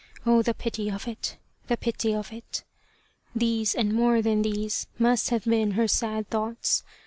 Oh ! the pity of it the pity of it ! These, and more than these, must have been her sad thoughts.